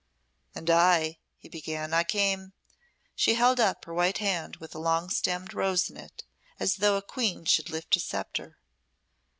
"And I," he began "I came " She held up her white hand with a long stemmed rose in it as though a queen should lift a sceptre.